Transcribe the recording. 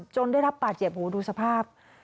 ได้รับบาดเจ็บโหดูสภาพ